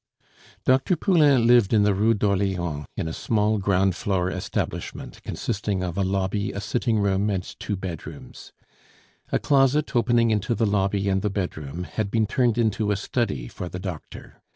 Dr. Poulain lived in the Rue d'Orleans in a small ground floor establishment, consisting of a lobby, a sitting room, and two bedrooms. A closet, opening into the lobby and the bedroom, had been turned into a study for the doctor.